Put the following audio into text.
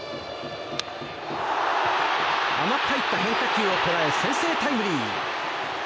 甘く入った変化球を捉え先制タイムリー。